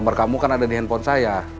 kamar kamu kan ada di handphone saya